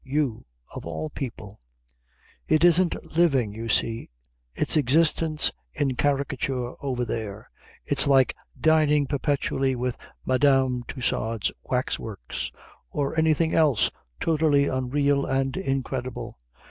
You of all people " "It isn't living, you see. It's existence in caricature over there. It's like dining perpetually with Madame Tussaud's waxworks, or anything else totally unreal and incredible."